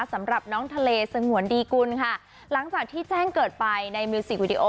สำหรับน้องทะเลสงวนดีกุลค่ะหลังจากที่แจ้งเกิดไปในมิวสิกวิดีโอ